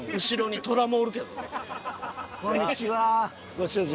ご主人。